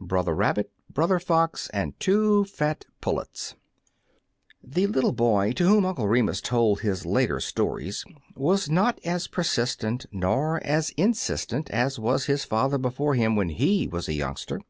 BROTHER RABBIT, BROTHER FOX, AND TWO FAT PULLETS THE little boy to whom Uncle Re mus told his later stories was not as persistent, not as insistent, as was his father before him, when he was a youngster.